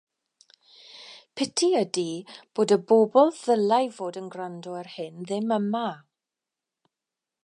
Piti ydi bod y bobl ddylai fod yn gwrando ar hyn ddim yma.